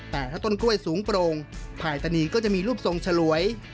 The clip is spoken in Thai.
แต่ถ้าต้นกล้วยสูงโปร่งภายตานีก็จะมีรูปทรงฉลวย